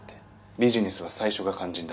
ビジネスは最初が肝心だ。